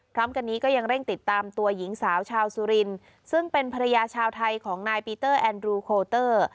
พร้อมกันนี้ก็ยังเร่งติดตามตัวหญิงสาวชาวสุรินซึ่งเป็นภรรยาชาวไทยของนายปีเตอร์แอนดรูโคเตอร์